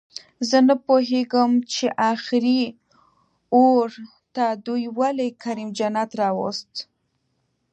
زه نپوهېږم چې اخري اوور ته دوئ ولې کریم جنت راووست